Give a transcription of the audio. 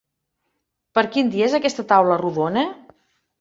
Per quin dia és aquesta taula rodona?